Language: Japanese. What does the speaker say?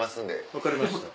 分かりました。